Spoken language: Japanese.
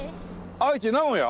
愛知名古屋？